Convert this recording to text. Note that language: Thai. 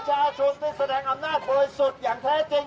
ประชาชนได้แสดงอำนาจบริสุทธิ์อย่างแท้จริง